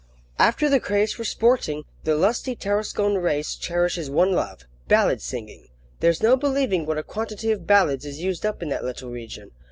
AFTER the craze for sporting, the lusty Tarascon race cherishes one love: ballad singing. There's no believing what a quantity of ballads is used up in that little region.